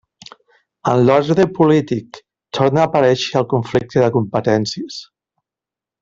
En l'ordre polític, torna aparèixer el conflicte de competències.